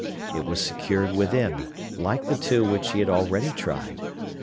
It was secured within, like the two which she had already tried.